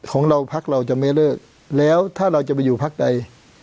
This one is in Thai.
ของเราพักเราจะไม่เลิกแล้วถ้าเราจะไปอยู่พักใด